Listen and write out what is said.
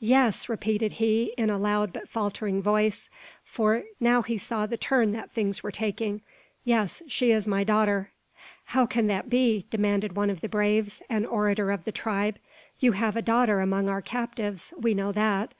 "Yes!" repeated he, in a loud but faltering voice, for he now saw the turn that things were taking. "Yes, she is my daughter." "How can that be?" demanded one of the braves, an orator of the tribe. "You have a daughter among our captives; we know that.